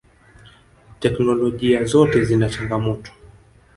Technolojia zote zina changamoto.